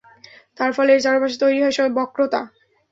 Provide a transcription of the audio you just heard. তার ফলে এর চারপাশে তৈরি হয় বক্রতা।